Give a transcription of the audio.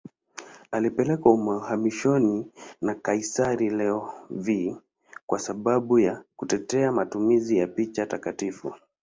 Alipelekwa uhamishoni na kaisari Leo V kwa sababu ya kutetea matumizi ya picha takatifu.